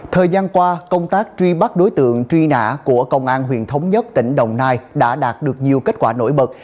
thời gian qua công tác truy bắt đối tượng truy nã của công an huyện thống nhất tỉnh đồng nai đã đạt được nhiều kết quả nổi bật